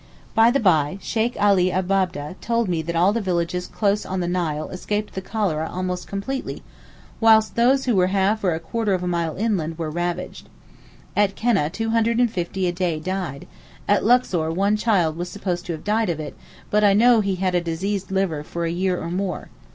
By the bye, Sheykh Alee Abab'deh told me that all the villages close on the Nile escaped the cholera almost completely, whilst those who were half or a quarter of a mile inland were ravaged. At Keneh 250 a day died; at Luxor one child was supposed to have died of it, but I know he had diseased liver for a year or more.